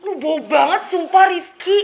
lu bau banget sumpah rifki